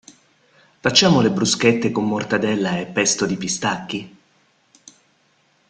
Facciamo le bruschette con mortadella e pesto di pistacchi?